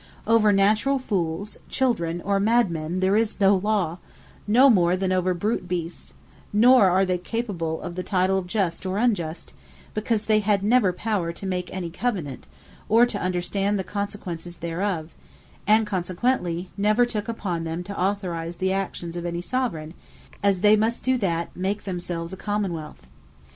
Over naturall fooles, children, or mad men there is no Law, no more than over brute beasts; nor are they capable of the title of just, or unjust; because they had never power to make any covenant, or to understand the consequences thereof; and consequently never took upon them to authorise the actions of any Soveraign, as they must do that make to themselves a Common wealth.